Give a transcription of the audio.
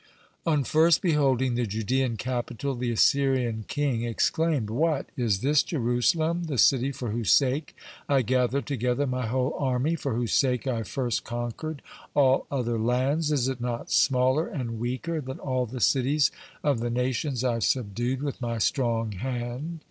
On first beholding the Judean capital, the Assyrian king exclaimed: "What! Is this Jerusalem, the city for whose sake I gathered together my whole army, for whose sake I first conquered all other lands? Is it not smaller and weaker than all the cities of the nations I subdued with my strong hand?"